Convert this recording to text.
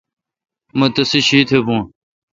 مہ تیسے شیتھ بھون۔